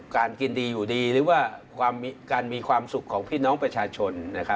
การกินดีอยู่ดีหรือว่าการมีความสุขของพี่น้องประชาชน